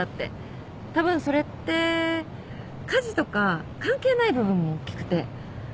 たぶんそれって家事とか関係ない部分も大きくて。